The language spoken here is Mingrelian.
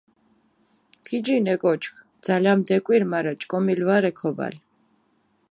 გიჯინ ე კოჩქ, ძალამი დეკვირ, მარა ჭკომილი ვარე ქობალი.